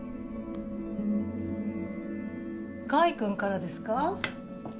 甲斐くんからですか？